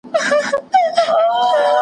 حق څوک نه سي اخیستلای په زاریو .